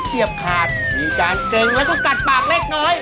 เสียบขาดมีการเกร็งแล้วก็กัดปากเล็กน้อย